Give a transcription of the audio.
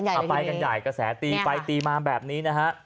เอาไปกันใหญ่กระแสตีไปตีมาแบบนี้นะฮะ